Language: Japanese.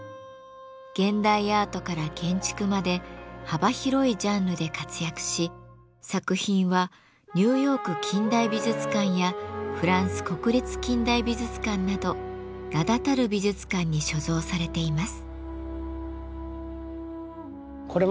現代アートから建築まで幅広いジャンルで活躍し作品はニューヨーク近代美術館やフランス国立近代美術館など名だたる美術館に所蔵されています。